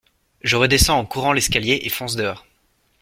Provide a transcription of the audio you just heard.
Je redescends en courant l’escalier et fonce dehors.